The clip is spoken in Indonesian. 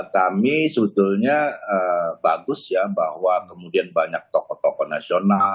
kami sebetulnya bagus ya bahwa kemudian banyak tokoh tokoh nasional